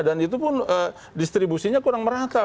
dan itu pun distribusinya kurang merata